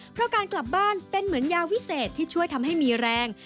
เพราะการกลับบ้านเป็นเหมือนยาวิเศษที่ช่วยทำให้มีแรง